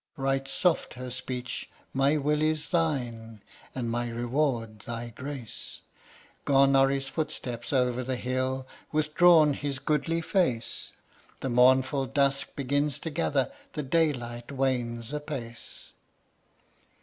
Right soft her speech: "My will is thine, And my reward thy grace!" Gone are his footsteps over the hill, Withdrawn his goodly face; The mournful dusk begins to gather, The daylight wanes apace.